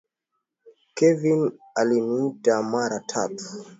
Kevin aliniita mara tatu.